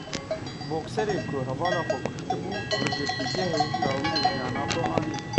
Bokserê ku hevala xwe kuştibû li girtîgehê dawî li jiyana xwe anî.